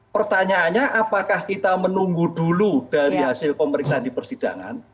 pertanyaannya apakah kita menunggu dulu dari hasil pemeriksaan di persidangan